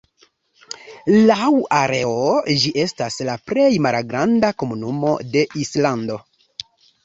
Laŭ areo, ĝi estas la plej malgranda komunumo de Islando.